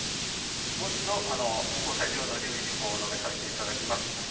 もう一度防災上の留意事項を述べさせていただきます